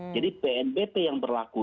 jadi pnbp yang berlaku